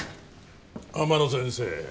天野先生